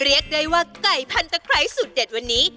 เรียกได้ว่าไก่พันตะไคร้สูตรเด็ดวันนี้